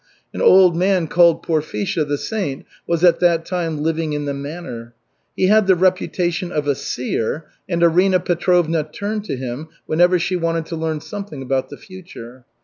An old man called Porfisha the Saint was at that time living in the manor. He had the reputation of a seer, and Arina Petrovna turned to him whenever she wanted to learn something about the future.